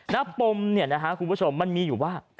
น้ายกลุ่มเนี่ยนะฮะมันมีอยู่ว่า